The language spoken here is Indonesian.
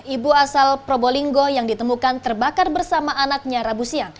ibu asal probolinggo yang ditemukan terbakar bersama anaknya rabusian